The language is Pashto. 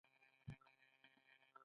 زه د پخوانیو ښارونو جوړښت مطالعه کوم.